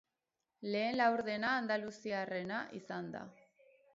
Lehen laurdena andaluziarrena izan da.